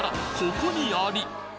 ここにあり！